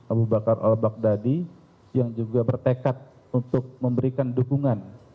abu bakar al baghdadi yang juga bertekad untuk memberikan dukungan